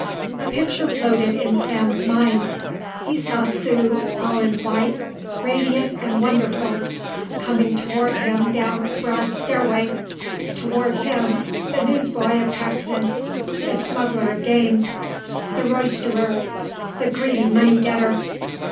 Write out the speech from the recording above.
A picture floated in Sam's mind. He saw Sue, all in white, radiant and wonderful, coming toward him down a broad stairway, toward him, the newsboy of Caxton, the smuggler of game, the roisterer, the greedy moneygetter.